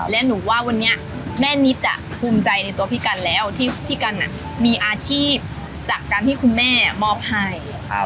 และหนูว่าวันนี้แม่นิดภูมิใจในตัวพี่กันแล้วที่พี่กันมีอาชีพจากการที่คุณแม่มอบให้